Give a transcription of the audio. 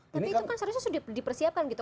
tapi itu kan seharusnya sudah dipersiapkan gitu